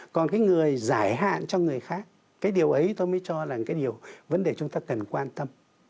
còn cái người giải hạn cho người khác cái điều ấy tôi mới cho rằng cái điều vấn đề chúng ta cần quan tâm